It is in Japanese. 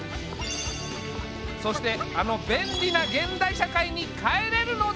そしてあの便利な現代社会に帰れるのだろうか？